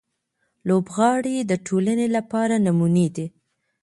لوبغاړي د ټولنې لپاره نمونې دي.